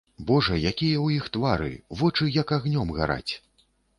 Божа, якія ў іх твары, вочы як агнём гараць.